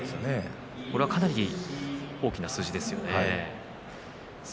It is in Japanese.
かなり大きな数字ですよね。